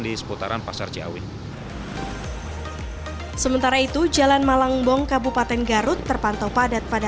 di seputaran pasar ciawi sementara itu jalan malangbong kabupaten garut terpantau padat pada